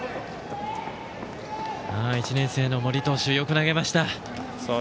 １年生の森投手、よく投げました。